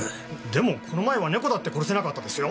でもこの前は猫だって殺せなかったですよ？